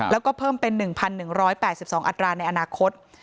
แล้วก็เพิ่มเป็น๑๑๘๒อัตราในอนาคต